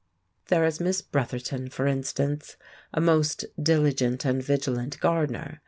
There is Miss Bretherton, for instance, a most diligent and vigilant gardener.